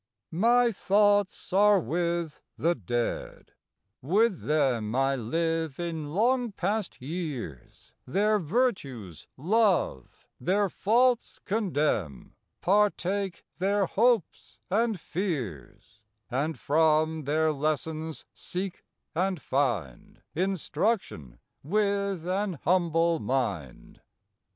My thoughts are with the Dead; with them I live in long past years, Their virtues love, their faults condemn, Partake their hopes and fears, And from their lessons seek and find Instruction with an humble mind.